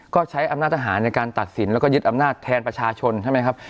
ก็ใช้อำนาจทหารในการตัดสินแล้วก็ยึดอำนาจแทนประชาชนใช่ไหมครับ